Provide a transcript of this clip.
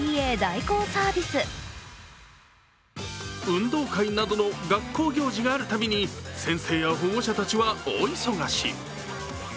運動会などの学校行事があるたびに、先生や保護者たちは大忙し。